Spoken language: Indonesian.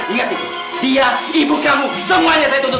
ingat dia ibu kamu semuanya saya tuntut